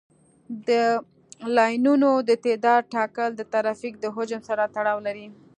د لاینونو د تعداد ټاکل د ترافیک د حجم سره تړاو لري